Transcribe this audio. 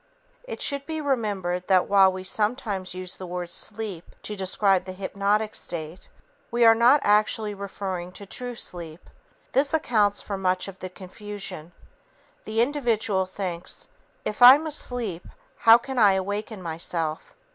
It should be remembered that while we sometimes use the word "sleep" to describe the hypnotic state, we are not actually referring to true sleep. This accounts for much of the confusion. The individual thinks, "If I'm asleep, how can I awaken myself?"